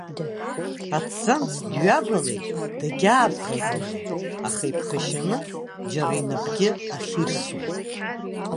Аҭӡамц дҩавалеит, дагьаабӷаӷалоит, аха иԥхашьаны џьара инапгьы ахьирсуам.